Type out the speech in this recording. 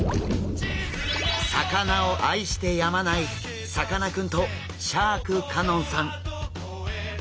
魚を愛してやまないさかなクンとシャーク香音さん。